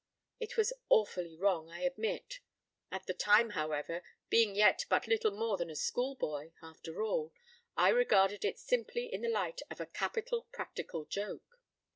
It was awfully wrong, I admit. At the time, however, being yet but little more than a schoolboy, after all, I regarded it simply in the light of a capital practical joke.